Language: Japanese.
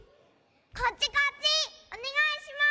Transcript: こっちこっち！おねがいします！